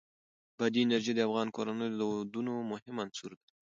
بادي انرژي د افغان کورنیو د دودونو مهم عنصر دی.